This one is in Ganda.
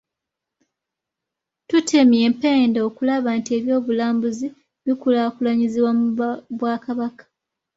Tutemye empenda okulaba nti eby’obulambuzi bikulaakulanyizibwa mu Bwakabaka.